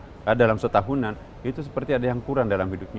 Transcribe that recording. kalau mereka tidak mudik dalam setahunan itu seperti ada yang kurang dalam hidupnya